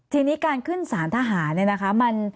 ทีนี้การขึ้นสารทหารเนี่ยนะคะ